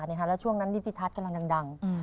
แล้วช่วงนั้นนิติทัศน์กำลังดัง